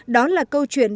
đó là câu chuyện